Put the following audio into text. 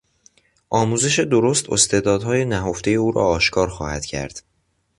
آموزش درست استعدادهای نهفتهی او را آشکار خواهد کرد.